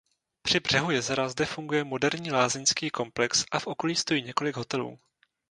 Při břehu jezera zde funguje moderní lázeňský komplex a v okolí stojí několik hotelů.